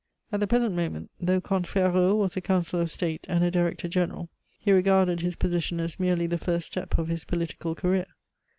At the present moment, though Comte Ferraud was a Councillor of State, and a Director General, he regarded his position as merely the first step of his political career.